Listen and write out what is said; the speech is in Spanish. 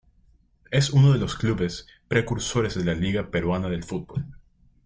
Es uno de los clubes precursores de la Liga peruana de fútbol.